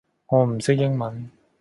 我唔識英文